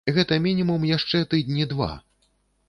Гэта мінімум яшчэ тыдні два.